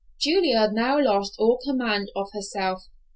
Julia now lost all command of herself.